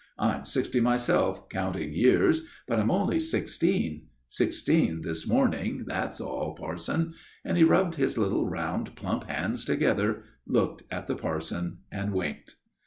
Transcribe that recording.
I'm sixty myself, counting years; but I'm only sixteen, sixteen this morning, that's all, parson," and he rubbed his little round plump hands together, looked at the parson, and winked.